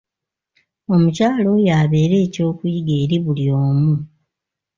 Omukyala oyo abeere eky'okuyiga eri buli omu.